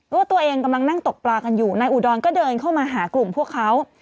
ว่าตัวเองกำลังนั่งตกปลากันอยู่นายอุดรก็เดินเข้ามาหากลุ่มพวกเขา